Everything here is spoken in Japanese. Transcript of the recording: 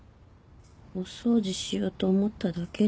お掃除しようと思っただけで。